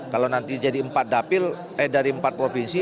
kalau nanti jadi empat dapil eh dari empat provinsi